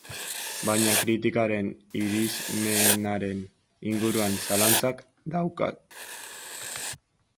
Baina kritikaren irismenaren inguruan zalantzak dauzkat.